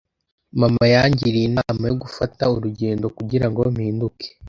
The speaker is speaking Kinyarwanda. Mama yangiriye inama yo gufata urugendo kugirango mpinduke.